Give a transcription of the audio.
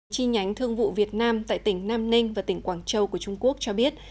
chi nhánh thương vụ việt nam tại tỉnh nam ninh và tỉnh quảng châu của trung quốc cho biết